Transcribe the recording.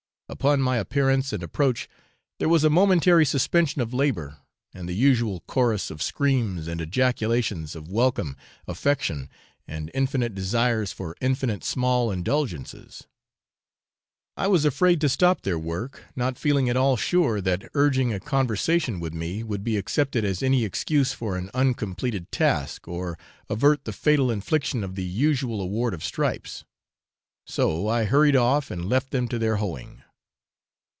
Upon my appearance and approach there was a momentary suspension of labour, and the usual chorus of screams and ejaculations of welcome, affection, and infinite desires for infinite small indulgences. I was afraid to stop their work, not feeling at all sure that urging a conversation with me would be accepted as any excuse for an uncompleted task, or avert the fatal infliction of the usual award of stripes; so I hurried off and left them to their hoeing.